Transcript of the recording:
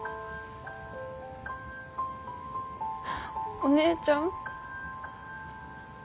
お姉ちゃん。